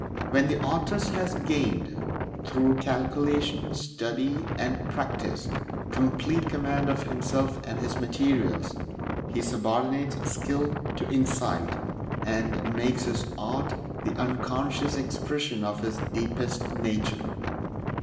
When the artist has gained, through calculation, study, and, practice, complete command of himself and his materials, he subordinates skill to insight, and makes his art the unconscious expression of his deepest nature.